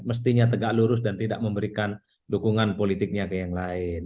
mestinya tegak lurus dan tidak memberikan dukungan politiknya ke yang lain